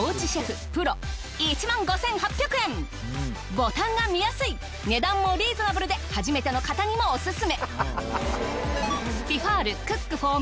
ボタンが見やすい値段もリーズナブルで初めての方にもオススメ。